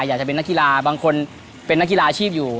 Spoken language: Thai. อยากจะเป็นนักกีฬาบางคนเป็นนักกีฬาอาชีพอยู่